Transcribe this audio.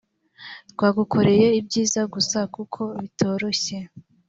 twagukoreye ibyiza gusa kuko bitoroshye